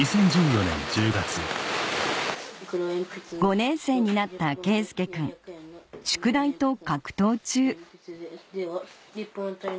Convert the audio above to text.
５年生になった佳祐くん宿題と格闘中